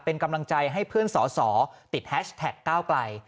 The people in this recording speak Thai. เป็นกำลังใจให้เพื่อนสอสอติดแฮชแท็กก้าวไกล